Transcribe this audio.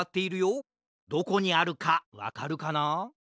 どこにあるかわかるかな？